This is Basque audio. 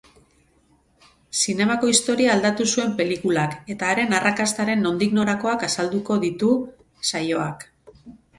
Zinemako historia aldatu zuen pelikulak eta haren arrakastaren nondik norakoak azalduko ditu saioak.